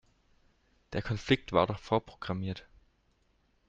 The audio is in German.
Der Konflikt war doch vorprogrammiert.